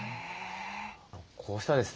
こうしたですね